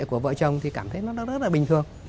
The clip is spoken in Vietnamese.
của vợ chồng thì cảm thấy nó rất là bình thường